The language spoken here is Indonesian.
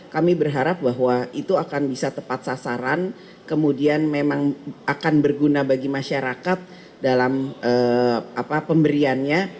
kami berharap bahwa itu akan bisa tepat sasaran kemudian memang akan berguna bagi masyarakat dalam pemberiannya